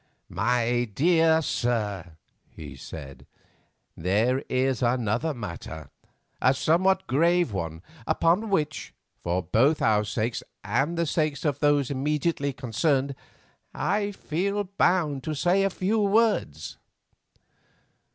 "My dear sir," he said, "there is another matter, a somewhat grave one, upon which, for both our sakes and the sakes of those immediately concerned, I feel bound to say a few words."